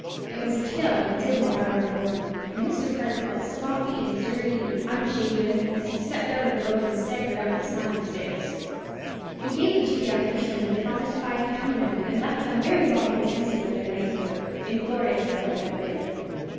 It was a chill and dismal hour of the morning, and Mr. Carter felt sloppy and dirty and unshaven, as he stepped out of the boat and staggered up the slimy stairs. He gave the two young fishermen the promised five pound note, and left them very well contented with their night's work, inglorious though it had been.